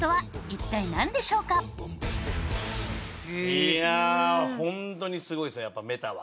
いやあホントにすごいですねやっぱＭｅｔａは。